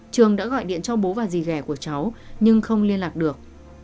trường đã gọi điện cho bố và dì gà của cháu nhưng không liên lạc được